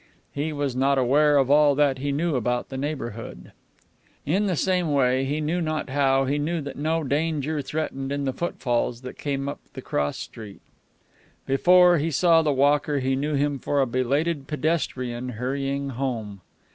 He was not aware of all that he knew about the neighborhood. In the same way, he knew not how, he knew that no danger threatened in the footfalls that came up the cross street. Before he saw the walker, he knew him for a belated pedestrian hurrying home.